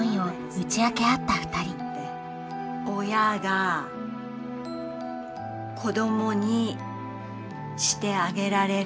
親が子供にしてあげられるのは。